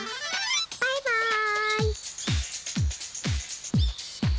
バイバーイ！